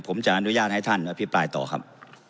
ผมจะอนุญาตให้ท่านอภิปรายต่อครับ